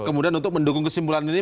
kemudian untuk mendukung kesimpulan ini